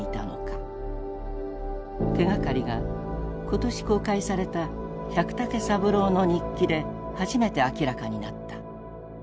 手がかりが今年公開された百武三郎の日記で初めて明らかになった。